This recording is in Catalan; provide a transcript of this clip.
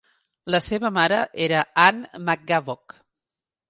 La seva mare era Anne McGavock.